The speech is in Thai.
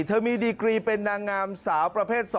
เธอมีดีกรีเป็นนางงามสาวประเภท๒